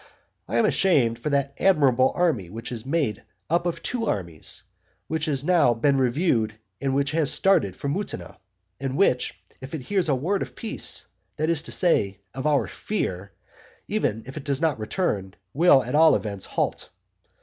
I am ashamed for that admirable army which is made up of two armies, which has now been reviewed, and which has started for Mutina, and which, if it hears a word of peace, that is to say, of our fear, even if it does not return, will at all events halt.